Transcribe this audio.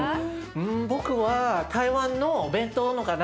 僕は台湾のお弁当かな。